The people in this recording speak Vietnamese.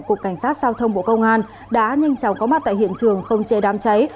cục cảnh sát giao thông bộ công an đã nhanh chóng có mặt tại hiện trường không chế đám cháy